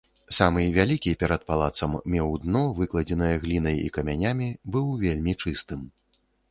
Самы вялікі, перад палацам, меў дно, выкладзенае глінай і камянямі, быў вельмі чыстым.